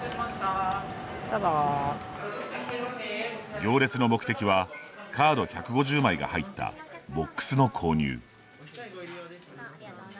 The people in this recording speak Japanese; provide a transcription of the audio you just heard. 行列の目的はカード１５０枚が入ったボックスの購入。